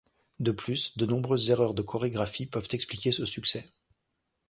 De plus, de nombreuses erreurs de chorégraphie peuvent expliquer ce succès.